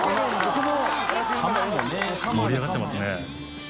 盛り上がってますね。